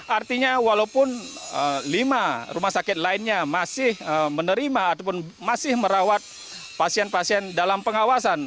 artinya walaupun lima rumah sakit lainnya masih menerima ataupun masih merawat pasien pasien dalam pengawasan